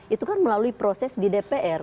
itu kan melalui proses di dpr